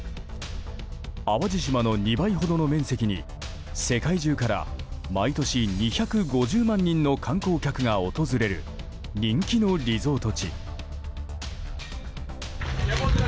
淡路島の２倍ほどの面積に世界中から毎年、２５０万人の観光客が訪れる人気のリゾート地。